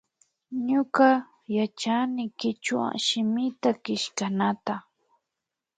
Ñuka yachani kichwa shimita killknata